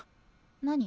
何？